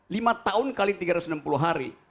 lima tahun kali tiga ratus enam puluh hari